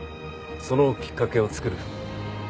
そのきっかけを作る。